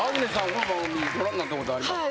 この番組ご覧になったことありますか？